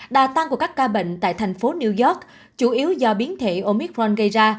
đà tăng của các ca bệnh tại thành phố new york chủ yếu do biến thể omitron gây ra